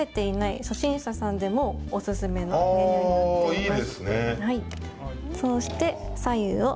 ああ、いいですね。